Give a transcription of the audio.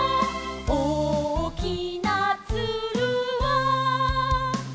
「おおきなツルは」